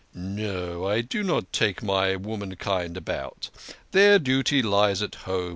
" No, I do not take my womankind about. Their duty lies at home.